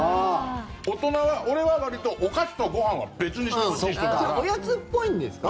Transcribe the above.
大人は、俺はわりとお菓子とご飯は別にしてほしい人だから。